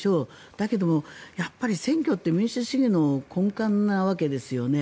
だけど選挙ってやっぱり民主主義の根幹なわけですよね。